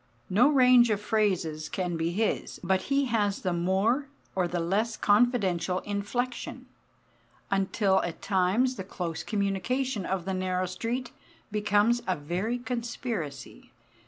No range of phrases can be his, but he has the more or the less confidential inflection, until at times the close communication of the narrow street becomes a very conspiracy.